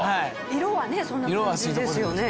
色はねそんな感じですよね。